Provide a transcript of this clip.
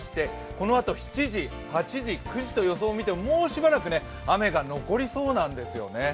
このあと８時、９時と予想を見てももうしばらく雨が残りそうなんですよね。